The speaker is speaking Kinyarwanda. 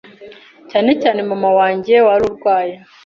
cyane cyane mama wanjye wari urwaye.